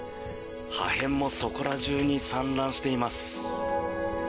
破片もそこら中に散乱しています。